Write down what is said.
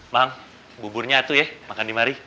bang buburnya itu ya makan di mari